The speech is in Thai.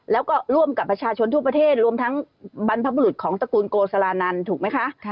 แล้วก็ร่วมกับประชาชนทั่วประเทศรวมทั้งบรรพบุรุษของตระกูลโกสลานันถูกไหมคะ